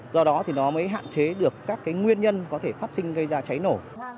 do đó thì nó mới hạn chế được các cái nguyên nhân có thể phát sinh gây ra cháy nổ